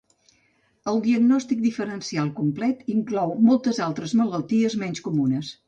El diagnòstic diferencial complet inclou moltes altres malalties menys comunes.